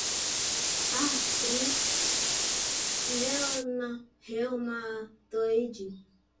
Artrite Reumatoide